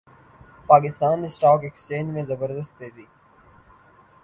Pakistan stock exchange میں زبردست تیزی